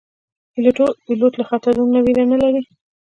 پیلوټ له خطرو نه ویره نه لري.